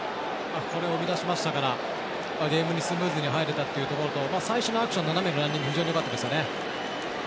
これを生み出しましたからゲームにスムーズに入れたというところと最初のアクション斜めのランニング非常によかったですよね。